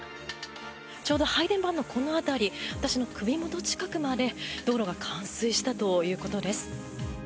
ちょうど配電盤のこの辺り私の首元近くまで道路が冠水したということです。